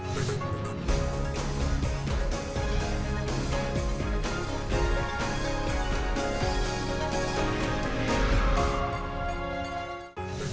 sampai ketemu di